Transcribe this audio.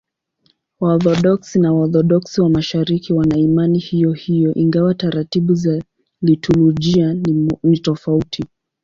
Waorthodoksi na Waorthodoksi wa Mashariki wana imani hiyohiyo, ingawa taratibu za liturujia ni tofauti.